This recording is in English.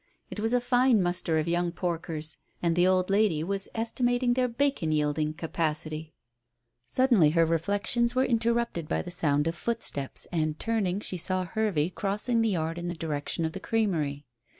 It was a fine muster of young porkers, and the old lady was estimating their bacon yielding capacity. Suddenly her reflections were interrupted by the sound of footsteps, and turning, she saw Hervey crossing the yard in the direction of the creamery.